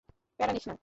প্যারা নিস না।